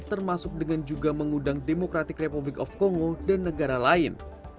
termasuk dengan juga mengundang demokratik republik of congo dan negara lain